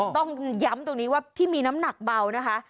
ต้องย้ำตรงนี้ว่าที่มีน้ำหนักเบานะคะ